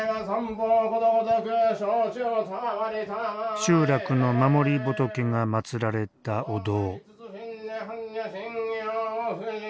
集落の守り仏がまつられたお堂。